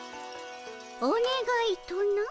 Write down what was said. おねがいとな？